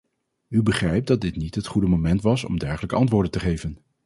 U begrijpt dat dit niet het goede moment was om dergelijke antwoorden te geven.